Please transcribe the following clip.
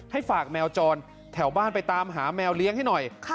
ฝากแมวจรแถวบ้านไปตามหาแมวเลี้ยงให้หน่อย